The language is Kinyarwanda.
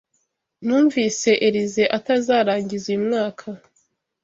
Numvise Elyse atazarangiza uyu mwaka.